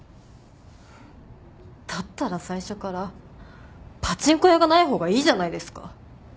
だったら最初からパチンコ屋がない方がいいじゃないですか。